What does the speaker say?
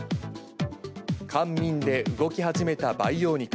官民で動き始めた培養肉。